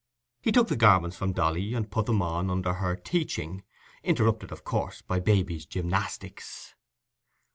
He took the garments from Dolly, and put them on under her teaching; interrupted, of course, by Baby's gymnastics.